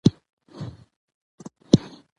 د مېلو له امله ځوانان له بدو کارو څخه ليري پاته کېږي.